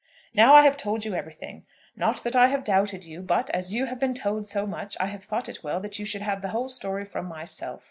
"Now, I have told you everything. Not that I have doubted you; but, as you have been told so much, I have thought it well that you should have the whole story from myself.